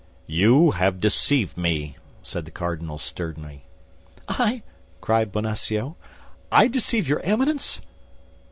"You have deceived me!" said the cardinal, sternly. "I," cried Bonacieux, "I deceive your Eminence!"